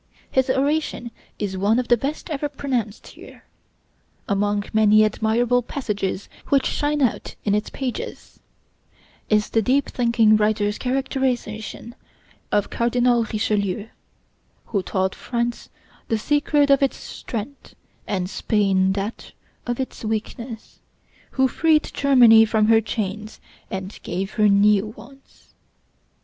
His oration is one of the best ever pronounced here. Among many admirable passages which shine out in its pages is the deep thinking writer's characterization of Cardinal Richelieu, "who taught France the secret of its strength, and Spain that of its weakness; who freed Germany from her chains and gave her new ones."